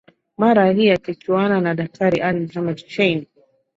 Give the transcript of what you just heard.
Mara hii akichuana na Daktari Ali Mohamed Shein